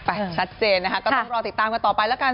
ชัดเจนนะคะก็ต้องรอติดตามกันต่อไปแล้วกัน